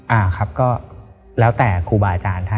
อ่าครับก็แล้วแต่ครูบาอาจารย์ท่าน